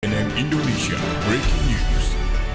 nm indonesia breaking news